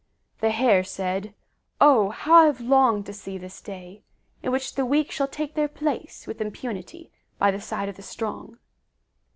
The Hare said, "Oh, how I have longed to see this day, in which the weak shall take their place with impunity by the side of the strong."